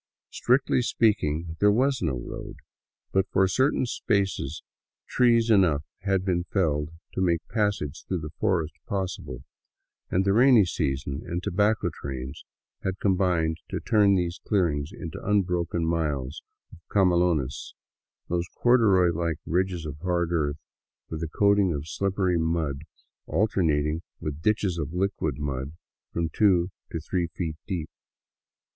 Strictly speaking, there was no road; but for certain spaces trees enough had been felled to make passage through the forest possible, and the rainy season and tobacco trains had combined to turn these clearings into unbroken miles of camelones, those corduroy like ridges of hard earth with a coating of slippery mud, alternating with ditches of liquid mud from two to three feet deep.